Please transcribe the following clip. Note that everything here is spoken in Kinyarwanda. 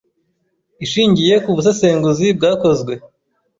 ishingiye ku busesenguzi bwakozwe